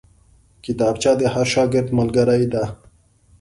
کتابچه د هر شاګرد ملګرې ده